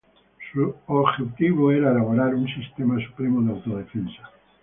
Su objetivo era elaborar un sistema supremo de autodefensa.